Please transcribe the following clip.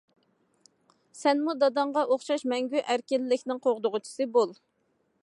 سەنمۇ داداڭغا ئوخشاش مەڭگۈ ئەركىنلىكنىڭ قوغدىغۇچىسى بول.